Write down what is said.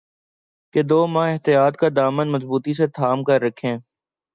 کہ دو ماہ احتیاط کا دامن مضبوطی سے تھام کررکھیں